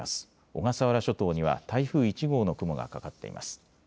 小笠原諸島には台風１号の雲がかかっています。